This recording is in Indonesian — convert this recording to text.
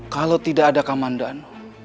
kalau tidak ada kamandano